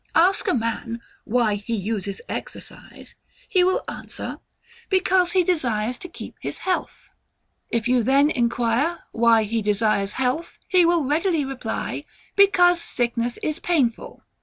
Ask a man WHY HE USES EXERCISE; he will answer, BECAUSE HE DESIRES TO KEEP HIS HEALTH. If you then enquire, WHY HE DESIRES HEALTH, he will readily reply, BECAUSE SICKNESS IS PAINFUL.